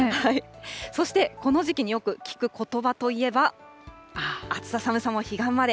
そしてこの時期によく聞くことばといえば、暑さ寒さも彼岸まで。